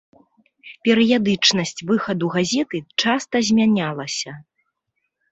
Перыядычнасць выхаду газеты часта змянялася.